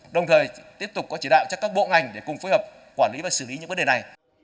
đồng thời tiếp tục có chỉ đạo cho các bộ ngành để cùng phối hợp quản lý và xử lý những vấn đề này